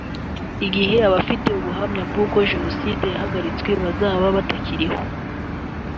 igihe abafite ubuhamya bw’uko jenoside yahagaritswe bazaba batakiriho